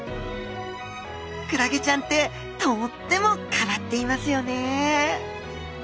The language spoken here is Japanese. クラゲちゃんってとっても変わっていますよね。